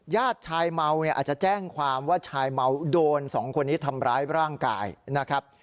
ญาติชายเมาเนี่ยอาจจะแจ้งความว่าชายเมาโดนสองคนนี้ทำร้ายร่างกายนะครับ